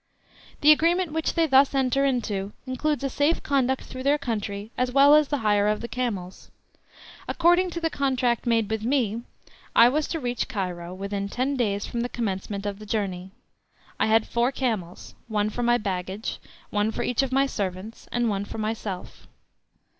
The agreement which they thus enter into includes a safe conduct through their country as well as the hire of the camels. According to the contract made with me I was to reach Cairo within ten days from the commencement of the journey. I had four camels, one for my baggage, one for each of my servants, and one for myself.